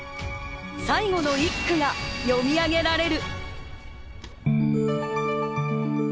最後の１句が詠み上げられる。